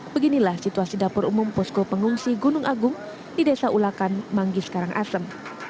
beginilah situasi dapur umum posko pengungsi gunung agung di desa ulakan manggi sekarang asem